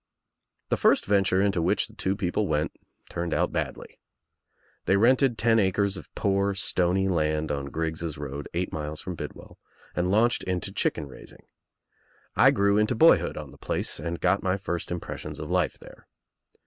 The first venture into which the two people went turned out badly. They rented ten acres of poor stony land on Griggs's Road, eight miles from Bidwell, and launched into chicken raising. I grew Into boyhood on the place and got my first impressions of life there.